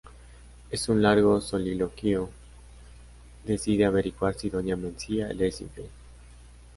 En un largo soliloquio, decide averiguar si doña Mencía le es infiel.